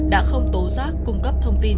đã không tố giác cung cấp thông tin